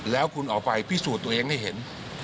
แล้วคุณออกไปพิสูจน์ตัวเองให้เห็น